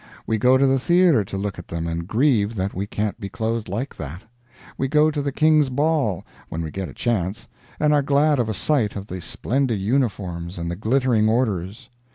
We go to the theater to look at them and grieve that we can't be clothed like that. We go to the King's ball, when we get a chance, and are glad of a sight of the splendid uniforms and the glittering orders.